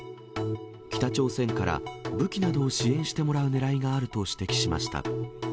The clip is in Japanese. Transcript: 北朝鮮から武器などを支援してもらうねらいがあると指摘しました。